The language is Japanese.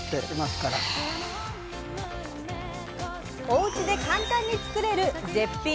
おうちで簡単に作れる絶品どじょう